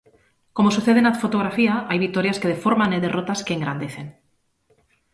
Como sucede na fotografía, hai vitorias que deforman e derrotas que engrandecen.